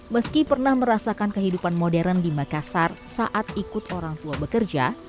meski pernah merasakan kehidupan modern di makassar saat ikut orang tua bekerja